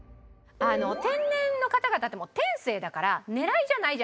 天然の方々ってもう天性だから狙いじゃないじゃないですか。